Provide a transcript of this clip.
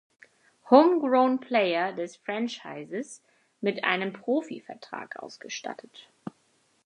Homegrown Player des Franchises mit einem Profivertrag ausgestattet.